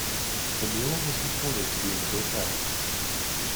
The mule was reported to be in good health.